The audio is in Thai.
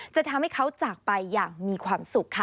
จะทำให้เขาจากไปอย่างมีความสุขค่ะ